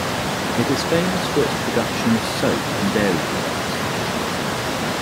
It is famous for its production of soap and dairy products.